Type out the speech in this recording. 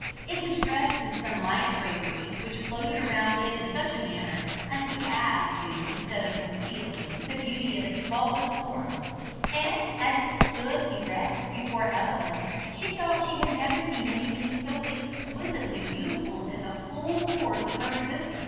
It was dressed in some light drapery, which floated around it in such a manner as to add to instead of concealing, the beauty of its faultless form, and, as it stood erect before Evelyn, she thought she had never seen anything so exquisitely beautiful in the whole course of her existence.